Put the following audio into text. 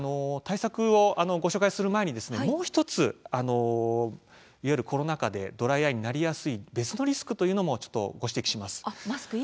対策をご紹介する前にもう１ついわゆるコロナ禍でドライアイになりやすい別のリスクというのも指摘します。